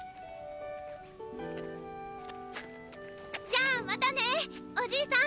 じゃあまたねおじいさん